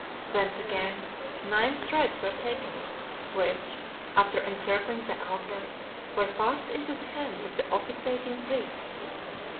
Thence again nine threads were taken, which, after encircling the altar, were passed into the hands of the officiating priests.